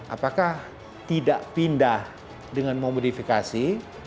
apakah tidak pindah dengan memodifikasi